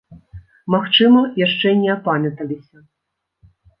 Магчыма, яшчэ не апамяталіся.